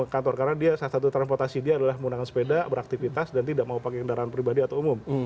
karena dia salah satu transportasi dia adalah menggunakan sepeda beraktivitas dan tidak mau pakai kendaraan pribadi atau umum